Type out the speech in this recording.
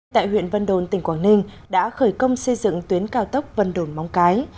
tại huyện vân đồn tỉnh quảng ninh đã khởi công xây dựng tuyến cao tốc vân đồn móng cái